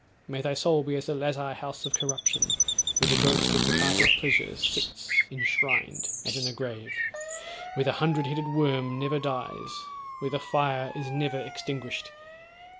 May thy soul be as the lazar house of corruption, where the ghost of departed pleasure sits enshrined, as in a grave: where the hundred headed worm never dies where the fire is never extinguished.